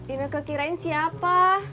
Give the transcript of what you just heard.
ini kukirain siapa